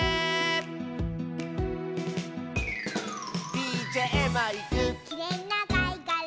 「ＤＪマイク」「きれいなかいがら」